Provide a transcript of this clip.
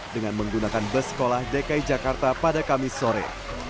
dengan menggunakan bus sekolah dki jakarta pada kamis sore